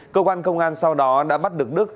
cơ quan công an sau đó đã bắt được đức